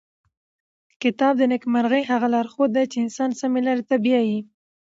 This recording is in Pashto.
کتاب د نېکمرغۍ هغه لارښود دی چې انسان سمې لارې ته بیايي.